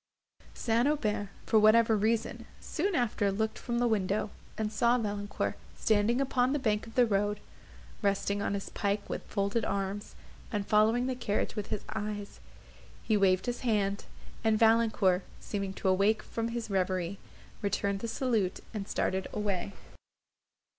St. Aubert, for whatever reason, soon after looked from the window, and saw Valancourt standing upon the bank of the road, resting on his pike with folded arms, and following the carriage with his eyes. He waved his hand, and Valancourt, seeming to awake from his reverie, returned the salute, and started away.